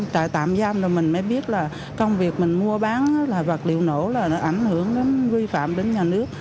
tại tạm giam rồi mình mới biết là công việc mình mua bán là vật liệu nổ là nó ảnh hưởng đến nguy phạm đến nhà nước